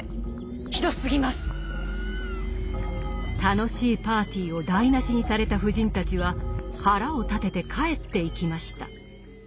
楽しいパーティーを台なしにされた夫人たちは腹を立てて帰っていきました。